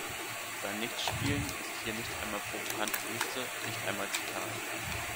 Sein Nicht-Spielen ist hier nicht einmal provokante Geste, nicht einmal Zitat.